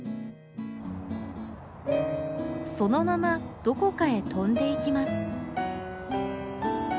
そのままどこかへ飛んでいきます。